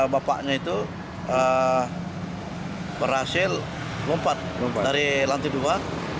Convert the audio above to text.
bapaknya itu berhasil lompat dari lantai dua